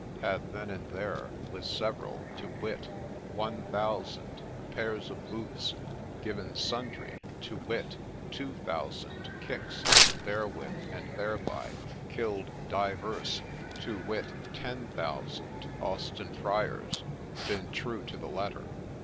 had then and there, with several, to wit, one thousand, pairs of boots, given sundry, to wit, two thousand, kicks, and there with and thereby killed divers, to wit, ten thousand, Austin Friars,' been true to the letter.